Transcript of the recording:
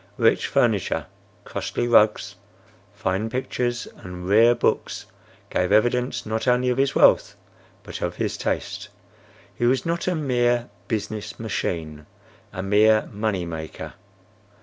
Rich furniture, costly rugs, fine pictures and rare books, gave evidence not only of his wealth but of his taste. He was not a mere business machine, a mere money maker.